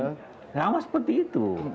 nggak sama seperti itu